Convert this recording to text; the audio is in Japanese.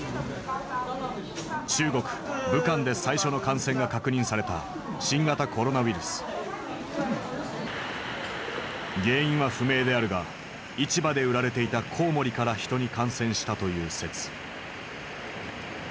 中国武漢で最初の感染が確認された原因は不明であるが市場で売られていたこうもりから人に感染したという説。